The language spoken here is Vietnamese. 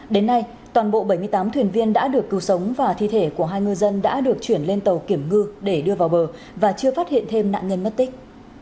đến nay toàn bộ bảy mươi tám thuyền viên đã được cứu sống và thi thể của hai ngư dân đã được chuyển lên tàu kiểm ngư để đưa vào bờ và chưa phát hiện thêm nạn nhân mất tích